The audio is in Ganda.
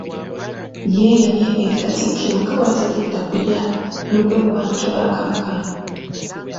Yeeyamye eri Katikkiro nga bwe batagenda kulya lukwe mu bantu ba Kabaka.